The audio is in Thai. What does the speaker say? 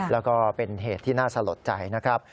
แล้วก็เป็นเหตุที่น่าสลดใจนะครับ